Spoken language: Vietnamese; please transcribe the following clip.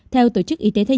theo tổ chức yên tân